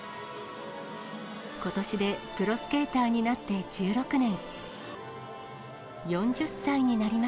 ことしでプロスケーターになって１６年。